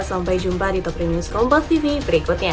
sampai jumpa di top tiga news rombos tv berikutnya